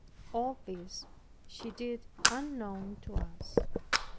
All this she did unknown to us.